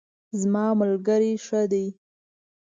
زما ملګری ښه ده